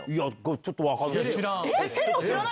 ちょっと分かんない。